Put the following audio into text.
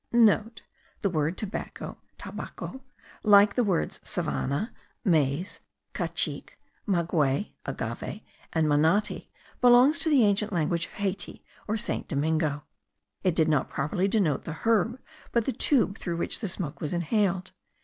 (* The word tobacco (tabacco), like the words savannah, maize, cacique, maguey (agave), and manati, belongs to the ancient language of Haiti, or St. Domingo. It did not properly denote the herb but the tube through which the smoke was inhaled.